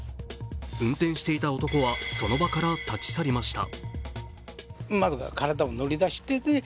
運転していた男はその場から立ち去りました。